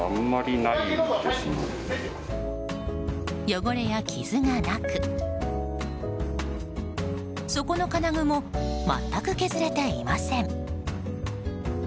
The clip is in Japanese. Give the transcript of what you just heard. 汚れや傷がなく底の金具も全く削れていません。